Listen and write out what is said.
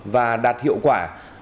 và đạt hiệu quả